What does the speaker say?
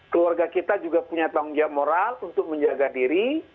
keluarga kita juga punya tanggung jawab moral untuk menjaga diri